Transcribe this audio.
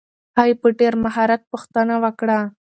هغې په ډېر مهارت پوښتنه وکړه.